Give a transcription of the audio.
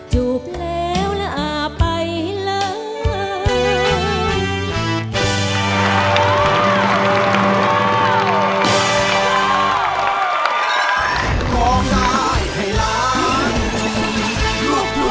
จูบแล้วลาไปเลย